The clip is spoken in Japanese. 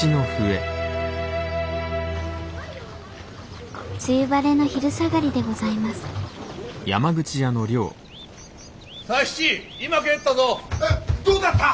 えっどうだった！？